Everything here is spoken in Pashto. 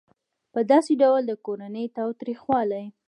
په داسې ډول د کورني تاوتریخوالي